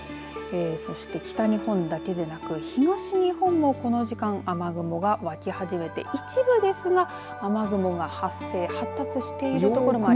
そして北日本だけでなく東日本もこの時間雨雲が湧き初めて一部ですが雨雲が発生発達している所があります。